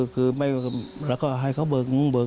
คือไม่เราก็ให้ก็บึกหนึ่งเบิ่น